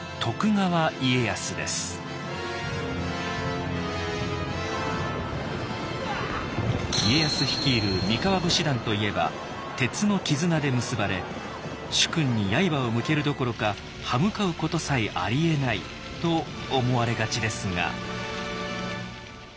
家康率いる三河武士団といえば鉄の絆で結ばれ主君に刃を向けるどころか刃向かうことさえありえないと思われがちですが。